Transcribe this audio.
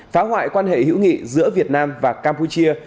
phá hoại quan hệ hữu nghị giữa việt nam và campuchia